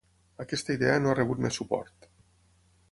Aquesta idea no ha rebut més suport.